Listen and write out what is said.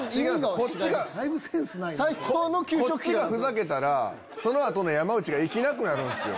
こっちがふざけたらその後の山内が生きなくなるんですよ。